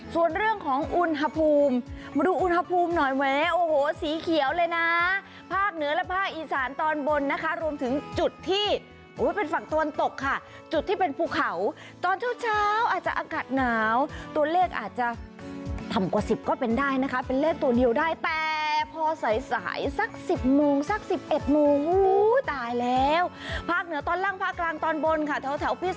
ส่วนเรื่องของอุณหภูมิมาดูอุณหภูมิหน่อยแหมโอ้โหสีเขียวเลยนะภาคเหนือและภาคอีสานตอนบนนะคะรวมถึงจุดที่เป็นฝั่งตะวันตกค่ะจุดที่เป็นภูเขาตอนเช้าเช้าอาจจะอากาศหนาวตัวเลขอาจจะต่ำกว่า๑๐ก็เป็นได้นะคะเป็นเลขตัวเดียวได้แต่พอสายสายสัก๑๐โมงสัก๑๑โมงตายแล้วภาคเหนือตอนล่างภาคกลางตอนบนค่ะแถวพิ